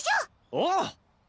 おう！